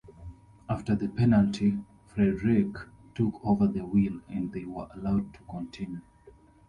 After the penalty, FredWreck took over the wheel and they were allowed to continue.